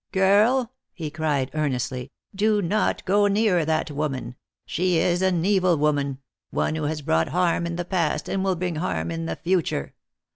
"Girl," he cried earnestly, "do not go near that woman! She is an evil woman one who has brought harm in the past, and will bring harm in the future.